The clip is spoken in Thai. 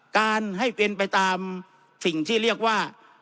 การให้เป็นไปตามสิ่งที่เรียกว่า